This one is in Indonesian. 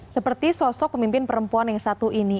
seperti sosok pemimpin perempuan yang satu ini